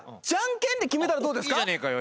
いいじゃねえかよ。